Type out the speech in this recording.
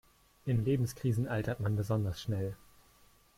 In Lebenskrisen altert man besonders schnell.